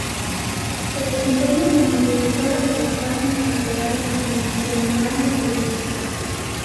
Se desempeña como directora de las páginas literarias en el semanario "Brecha".